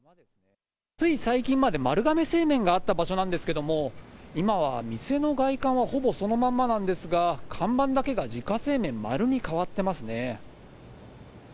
つい最近まで、丸亀製麺があった場所なんですけれども、今は店の外観はほぼそのまんまなんですが、看板だけが自家製麺・丸に変わってますね。